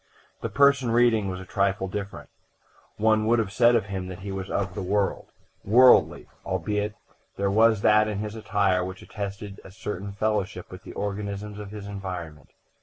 The person reading was a trifle different; one would have said of him that he was of the world, worldly, albeit there was that in his attire which attested a certain fellowship with the organisms of his environment.